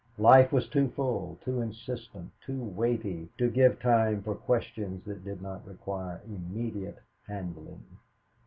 Life was too full, too insistent, too weighty, to give time for questions that did not require immediate handling.